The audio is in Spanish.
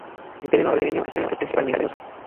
El terreno armenio es principalmente montañoso.